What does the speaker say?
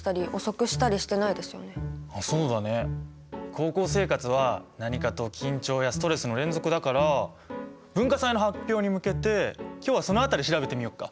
高校生活は何かと緊張やストレスの連続だから文化祭の発表に向けて今日はその辺り調べてみようか？